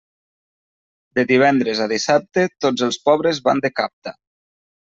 De divendres a dissabte, tots els pobres van de capta.